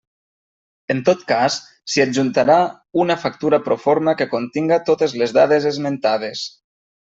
En tot cas, s'hi adjuntarà una factura proforma que continga totes les dades esmentades.